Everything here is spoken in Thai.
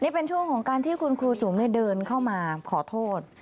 นี่เป็นช่วงของการที่คุณครูจุ๋มเดินเข้ามาขอโทษ